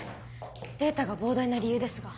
データが膨大な理由ですが